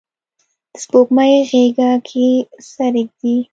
د سپوږمۍ غیږه کې سر ږدي